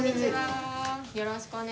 よろしくお願いします。